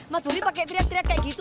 mas bobby pake teriak teriak kayak gitu